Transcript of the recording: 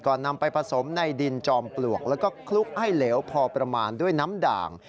นำไปผสมในดินจอมปลวกแล้วก็คลุกให้เหลวพอประมาณด้วยน้ำด่าง